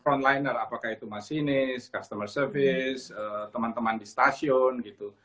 frontliner apakah itu masinis customer service teman teman di stasiun gitu